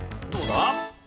どうだ？